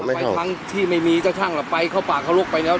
ไม่เข้าที่ไม่มีเจ้าชั่งล่ะไปเข้าป่าเข้าลูกไปแล้ว